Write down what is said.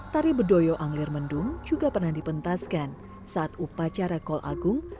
tari bedoyo anglir mendung juga pernah dipentaskan saat upacara kol agung